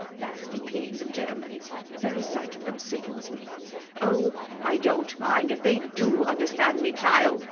Nasty pigs of Germans! The very sight of them sickens me. Oh, I don't mind if they do understand me, child.